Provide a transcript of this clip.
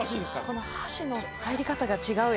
この箸の入り方が違うやっぱり。